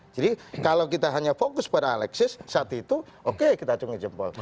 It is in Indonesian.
jadi kalau kita hanya fokus pada alexis saat itu oke kita cukup jempol